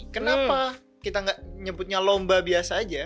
kenapa kita nggak nyebutnya lomba biasa aja